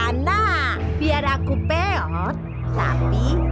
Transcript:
sudah gua datang sajio